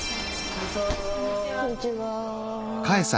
こんにちは。